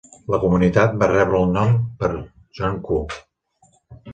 La comunitat va rebre el nom per John Q.